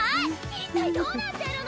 一体どうなってるの！